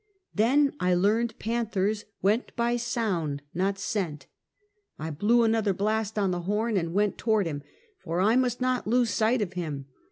Then I learned panthers went by sound, not scent. I blew another blast on the horn and went toward him, for I must not lose sight of him.